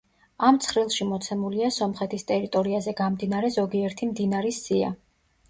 ამ ცხრილში მოცემულია სომხეთის ტერიტორიაზე გამდინარე ზოგიერთი მდინარის სია.